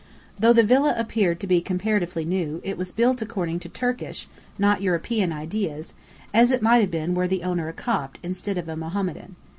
Though the villa appeared to be comparatively new, it was built according to Turkish, not European ideas, as it might have been were the owner a Copt instead of a Mohammedan.